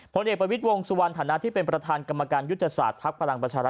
ผลเอกประวิทย์วงสุวรรณฐานะที่เป็นประธานกรรมการยุทธศาสตร์ภักดิ์พลังประชารัฐ